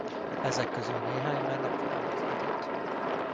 Ezek közül néhány már napvilágot látott.